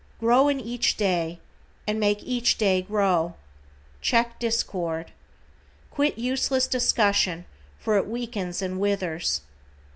Grow in each day, and make each day grow. Check discord. Quit useless discussion for it weakens and withers.